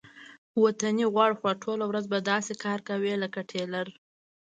وطني غوړ وخوره ټوله ورځ به داسې کار کوې لکه ټېلر.